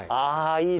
いいね。